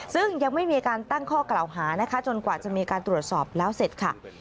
ซึ่งยังไม่มีการตั้งข้อกล่าวหานะคะจนกว่าจะมีการตรวจสอบแล้วเสร็จค่ะ